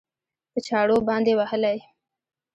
په چاړو باندې وهلى؟